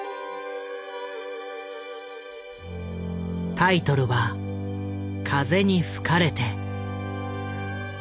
タイトルは「風に吹かれて」。